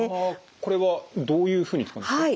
これはどういうふうに使うんですか？